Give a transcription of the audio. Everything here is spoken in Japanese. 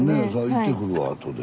行ってくるわ後で。